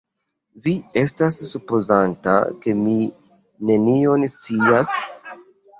Vi estas supozanta, ke mi nenion scias?